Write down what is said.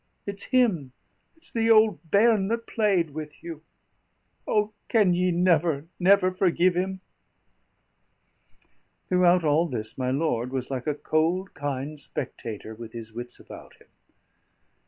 It's him it's the old bairn that played with you O, can ye never, never forgive him?" Throughout all this my lord was like a cold, kind spectator with his wits about him.